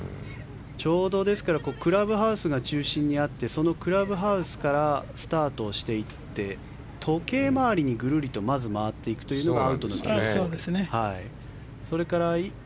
ちょうどクラブハウスが中心にあってそのクラブハウスからスタートしていって時計回りにぐるりとまず回っていくのがアウトの９ホールですね。